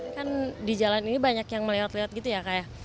kan di jalan ini banyak yang melewat lewat gitu ya kak ya